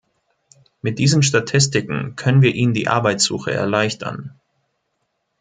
Mit diesen Statistiken können wir ihnen die Arbeitsuche erleichtern.